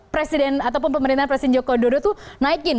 presiden ataupun pemerintahan presiden joko widodo itu naikin